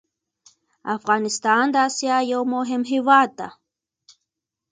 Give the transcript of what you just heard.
افغانستان د اسيا يو مهم هېواد ده